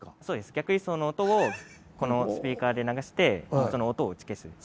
そうです逆位相の音をこのスピーカーで流してその音を打ち消す。